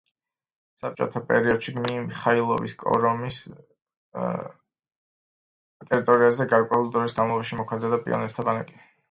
საბჭოთა პერიოდში მიხაილოვის კორომის ტერიტორიაზე გარკვეული დროის განმავლობაში მოქმედებდა პიონერთა ბანაკი.